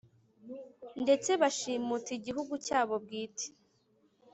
Ndetse bashimuta igihugu cyabo bwite